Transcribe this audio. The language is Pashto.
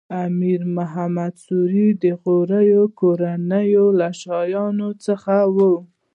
امیر محمد سوري د غوري کورنۍ له شاهانو څخه و.